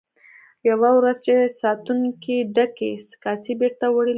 یوه ورځ چې ساتونکو ډکې کاسې بیرته وړلې.